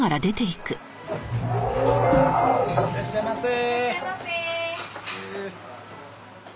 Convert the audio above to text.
いらっしゃいませ！